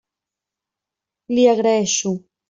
L'hi agraeixo.